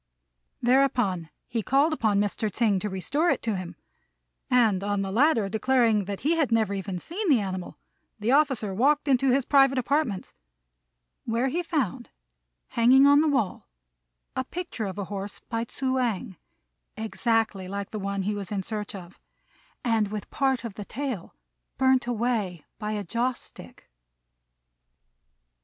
Thereupon he called upon Mr. Tsêng to restore it to him; and, on the latter declaring he had never even seen the animal, the officer walked into his private apartments, where he found, hanging on the wall, a picture of a horse, by Tzŭ ang, exactly like the one he was in search of, and with part of the tail burnt away by a joss stick.